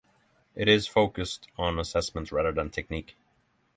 It is focused on assessment rather than technique.